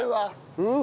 うん！